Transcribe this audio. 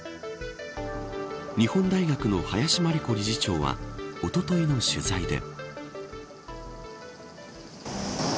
日本大学の林真理子理事長はおとといの取材で。